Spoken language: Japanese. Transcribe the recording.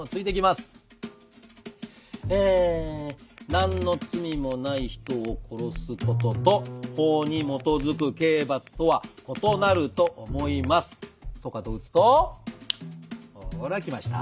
「何の罪もない人を殺すことと法に基づく刑罰とは異なると思います」。とかと打つとほら来ました。